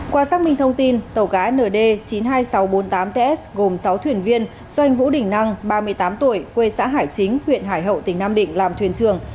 qua xác minh thông tin tàu cá nd chín mươi hai nghìn sáu trăm bốn mươi tám ts gồm sáu thuyền viên do anh vũ đình năng ba mươi tám tuổi quê xã hải chính huyện hải hậu tỉnh nam định làm thuyền trường